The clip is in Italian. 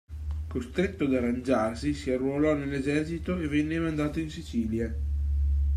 Costretto ad arrangiarsi, si arruolò nell'esercito e venne mandato in Sicilia.